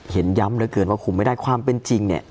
เห็นย้ำเหลือเกินว่าคุมไม่ได้ความเป็นจริงเนี่ย